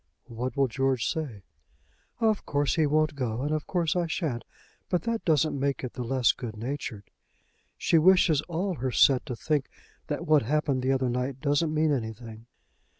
"What will George say?" "Of course he won't go; and of course I shan't. But that doesn't make it the less good natured. She wishes all her set to think that what happened the other night doesn't mean anything."